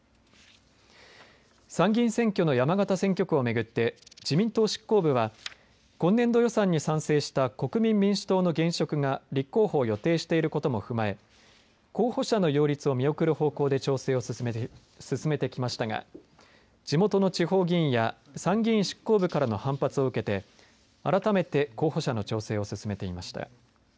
参議院選挙の山形選挙区をめぐって自民党執行部は今年度予算に賛成した国民民主党の現職が立候補を予定していることも踏まえ候補者の擁立を見送る方向で調整を進めてきましたが地元の地方議員や参議院執行部からの反発を受けて改めて候補者の調整を進めていました。